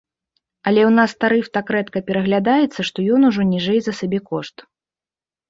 Але ў нас тарыф так рэдка пераглядаецца, што ён ужо ніжэй за сабекошт.